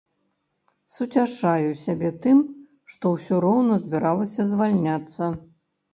Суцяшаю сябе тым, што ўсё роўна збіралася звальняцца.